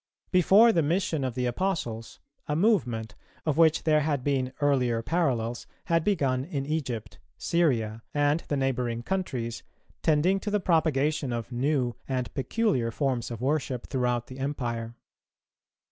Before the mission of the Apostles, a movement, of which there had been earlier parallels, had begun in Egypt, Syria, and the neighbouring countries, tending to the propagation of new and peculiar forms of worship throughout the Empire.